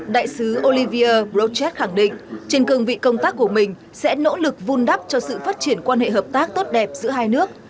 đại sứ olivier brochette khẳng định trên cương vị công tác của mình sẽ nỗ lực vun đắp cho sự phát triển quan hệ hợp tác tốt đẹp giữa hai nước